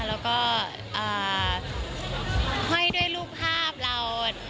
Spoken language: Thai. แล้วก็ห้อยด้วยรูปภาพเรา